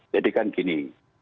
jadi kan gini